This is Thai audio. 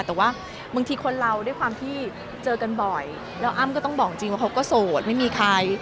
แต่ว่าบางทีคนเราด้วยความที่เจอกันบ่อยแล้วอ้ำก็ต้องบอกจริงว่าเขาก็โสดไม่มีใคร